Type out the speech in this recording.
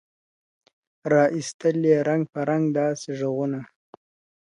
را ایستل یې رنګ په رنګ داسي ږغونه ,